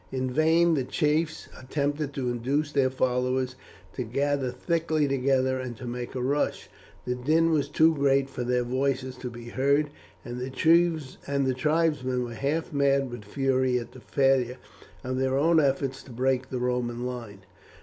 In vain the chiefs attempted to induce their followers to gather thickly together and to make a rush; the din was too great for their voices to be heard, and the tribesmen were half mad with fury at the failure of their own efforts to break the Roman line.